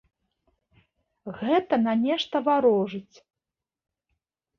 Гэта на нешта варожыць.